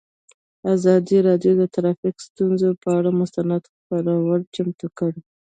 ازادي راډیو د ټرافیکي ستونزې پر اړه مستند خپرونه چمتو کړې.